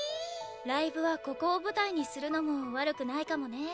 ライブはここを舞台にするのも悪くないかもね。